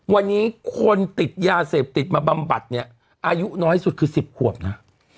วันนี้คนติดยาเสพติดมาบำบัดเนี่ยอายุน้อยสุดคือ๑๐ขวบนะ